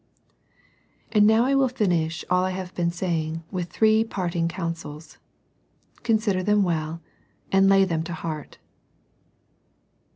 And now I will finish all I have been saying with three parting counsels. Consider them well, and lay them to heart.